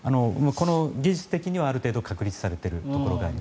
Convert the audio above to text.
この技術的にはある程度確立されているところがあります。